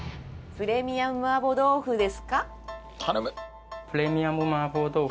プレミアム麻婆豆腐は。